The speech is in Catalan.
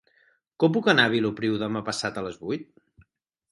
Com puc anar a Vilopriu demà passat a les vuit?